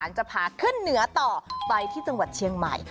จะพาขึ้นเหนือต่อไปที่จังหวัดเชียงใหม่